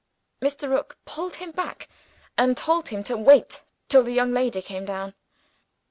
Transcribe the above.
Mr. Rook pulled him back, and told him to wait till the young lady came down.